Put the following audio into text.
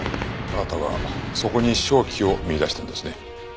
あなたはそこに商機を見出したんですね。